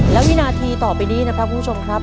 และวินาทีต่อไปนี้นะครับคุณผู้ชมครับ